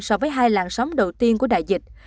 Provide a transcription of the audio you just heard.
so với hai làn sóng đầu tiên của đại dịch